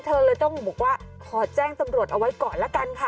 เธอเลยต้องบอกว่าขอแจ้งตำรวจเอาไว้ก่อนละกันค่ะ